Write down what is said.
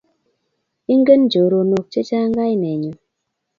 Ingen choronok che chang' kaine nyu